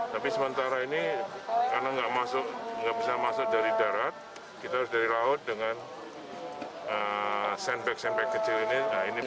tapi sementara ini karena nggak bisa masuk dari darat kita harus dari laut dengan sandbag sandbag